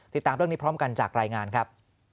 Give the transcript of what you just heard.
ติดตามเรื่องนี้พร้อมกันจากรายงานครับ